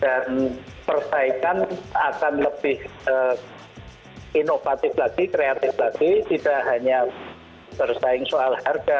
dan persaingan akan lebih hmm inovatif lagi kreatif lagi tidak hanya bersaing soal harga